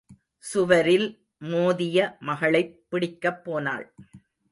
சுவரில் மோதிய மகளைப் பிடிக்கப் போனாள்.